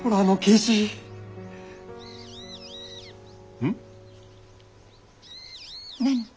うん？何か？